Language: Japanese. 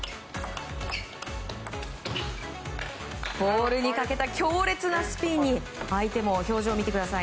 ボールにかけた強烈なスピンに相手も表情見てください。